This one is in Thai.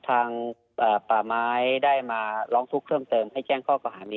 ทางป่าไม้ได้มาร้องทุกข์เพิ่มเติมให้แจ้งข้อกล่าหานี้